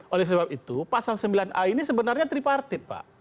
oleh sebab itu pasal sembilan a ini sebenarnya tripartit pak